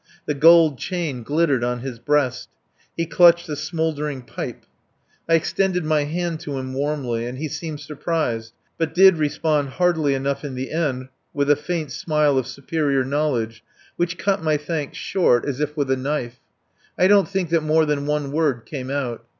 The gold chain glittered on his breast. He clutched a smouldering pipe. I extended my hand to him warmly and he seemed surprised, but did respond heartily enough in the end, with a faint smile of superior knowledge which cut my thanks short as if with a knife. I don't think that more than one word came out.